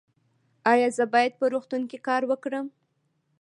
ایا زه باید په روغتون کې کار وکړم؟